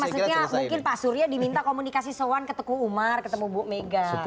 maksudnya mungkin pak surya diminta komunikasi soan ke teguh umar ketemu bu mega